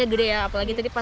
tapi saya selalu mencoba